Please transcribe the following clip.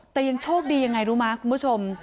แต่ยังโชคดียังไงรู้มั้ยคุณผู้ชม